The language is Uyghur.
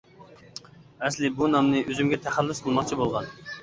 ئەسلى بۇ نامنى ئۆزۈمگە تەخەللۇس قىلماقچى بولغان.